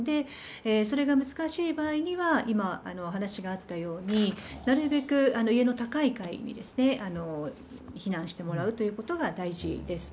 それが難しい場合には、今、話があったように、なるべく家の高い階に避難してもらうということが大事です。